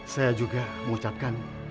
saya juga mengucapkan